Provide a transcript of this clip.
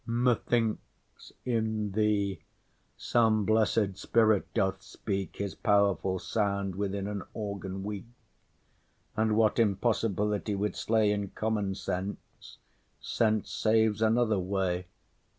Methinks in thee some blessed spirit doth speak His powerful sound within an organ weak; And what impossibility would slay In common sense, sense saves another way.